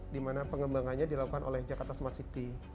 dimana pengembangannya dilakukan oleh jakarta smart city